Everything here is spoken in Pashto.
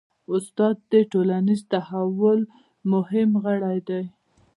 استاد د ټولنیز تحول مهم غړی دی.